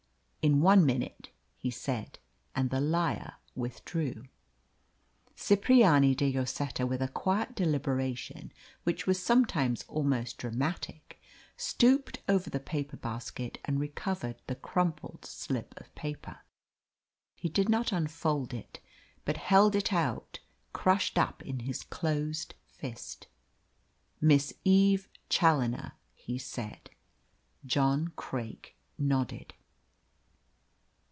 "In one minute," he said, and the liar withdrew. Cipriani de Lloseta, with a quiet deliberation which was sometimes almost dramatic, stooped over the paper basket and recovered the crumpled slip of paper. He did not unfold it, but held it out, crushed up in his closed fist. "Miss Eve Challoner," he said. John Craik nodded.